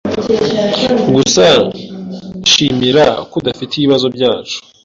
Gusa shimira ko udafite ibibazo byacu.